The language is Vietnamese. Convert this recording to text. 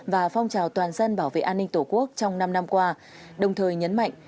và phong trào toàn dân bảo vệ an ninh tổ quốc trong năm năm qua đồng thời nhấn mạnh